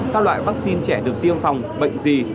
các loại vaccine trẻ được tiêm phòng bệnh gì